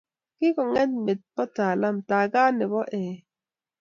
Kikong'en met bo talam tagat nebo ei